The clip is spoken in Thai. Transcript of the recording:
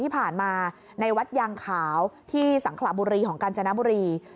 ที่ผ่านมาในวัดยางขาวที่สังขระบุรีของกาญจนบุรี